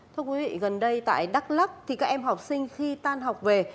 thưa quý vị gần đây tại đắk lắc thì các em học sinh khi tan học về